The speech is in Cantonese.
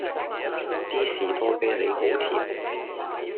D 士多啤利好甜